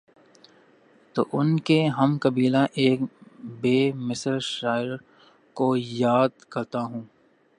تو ان کے ہم قبیلہ ایک بے مثل شاعرکو یا دکرتا ہوں۔